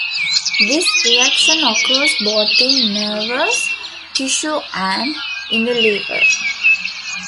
This reaction occurs both in nervous tissue and in the liver.